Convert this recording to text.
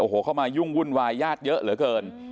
โอ้โหเข้ามายุ่งวุ่นวายญาติเยอะเหลือเกิน